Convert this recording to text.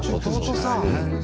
弟さん。